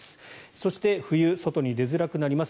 そして冬、外に出づらくなります。